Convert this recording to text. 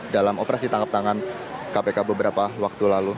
dalam operasi tangkap tangan kpk beberapa waktu lalu